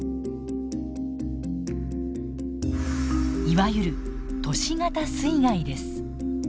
いわゆる都市型水害です。